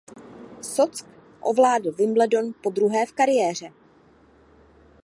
Sock ovládl Wimbledon podruhé v kariéře.